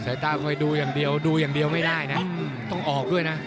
สายตาคอยดูอย่างเดียวดูอย่างเดียวไม่ได้นะต้องออกด้วยนะ